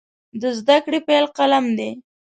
د زده کړې پیل قلم دی.